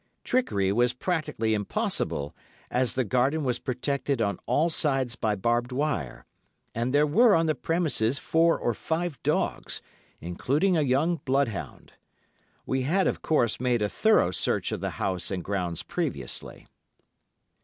Trickery was practically impossible, as the garden was protected on all sides by barbed wire, and there were on the premises four or five dogs, including a young bloodhound. We had of course made a thorough search of the house and grounds previously.